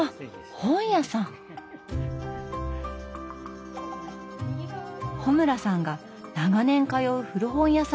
穂村さんが長年通う古本屋さんだそう。